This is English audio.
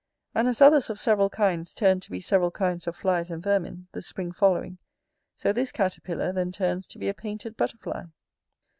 And as others of several kinds turn to be several kinds of flies and vermin, the Spring following; so this caterpillar then turns to be a painted butterfly.